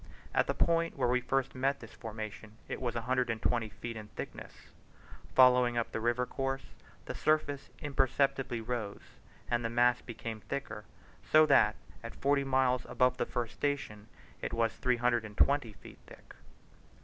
At the point where we first met this formation it was 120 feet in thickness; following up the river course, the surface imperceptibly rose and the mass became thicker, so that at forty miles above the first station it was 320 feet thick.